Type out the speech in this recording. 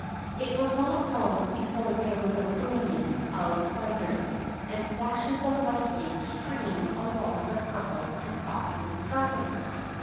It was not long before there was a booming of thunder, and flashes of lightning streamed along the purple and coppery sky.